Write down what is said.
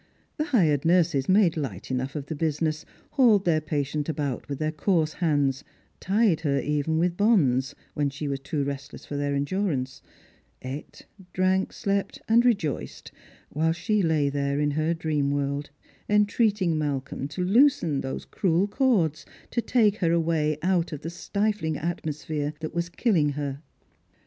The hired nurses made light enough of the business ; haled their patient about with their coarse hands, tied her even with bonds when she was too restless for their endurance ; ate, drank, slejit, and regoiced, while she lay there in her dream world, entreating Malcolm to loosen those cruel cords, to take her away out of the stifling atmosphere that was killing her.